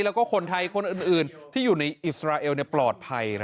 แล้วก็คนไทยคนอื่นที่อยู่ในอิสราเอลปลอดภัย